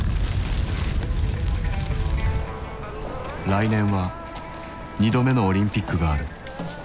来年は２度目のオリンピックがある。